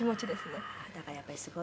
「だからやっぱりすごいですね」